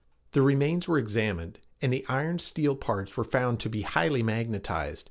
The remains were examined, and the iron steel parts were found to be highly magnetized.